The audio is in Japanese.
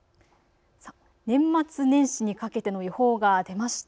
年末年始にかけての予報が出ました。